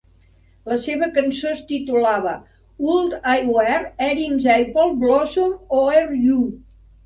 La seva cancó es titolava "Would I Were Erin's Apple Blossom o'er You".